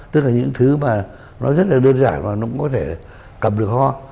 tức là những thứ mà nó rất là đơn giản mà nó cũng có thể cầm được ho